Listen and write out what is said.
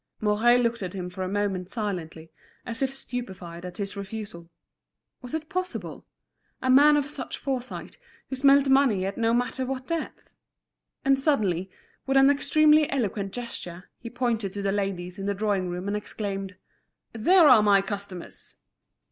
Mouret looked at him for a moment silently, as if stupefied at his refusal. Was it possible?—a man of such foresight, who smelt money at no matter what depth! And suddenly, with an extremely eloquent gesture, he pointed to the ladies in the drawing room and exclaimed: "There are my customers!"